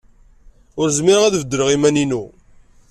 Ur zmireɣ ad beddleɣ iman-inu.